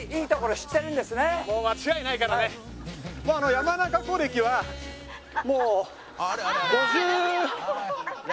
山中湖歴はもう５０。